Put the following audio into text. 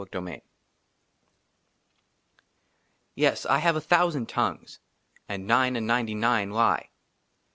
tfk 1 ^1 IV YES, I HAVE A THOUSAND TONGUES, AND NINE AND NINETY NINE LIE.